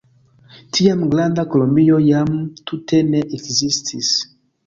Tiam Granda Kolombio jam tute ne ekzistis.